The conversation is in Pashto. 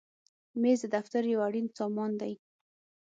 مېز د دفتر یو اړین سامان دی.